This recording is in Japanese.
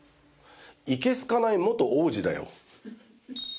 いけすかない元王子だよ